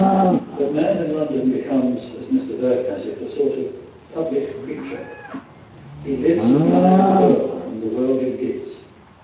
But man in London becomes as Mr. Burke has it, a sort of " public creature." He lives in the eye of the world, and the world in his.